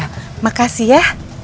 terima kasih ya